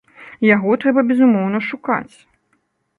І яго трэба, безумоўна, шукаць.